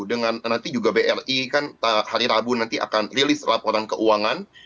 dengan nanti juga bri kan hari rabu nanti akan rilis laporan keuangan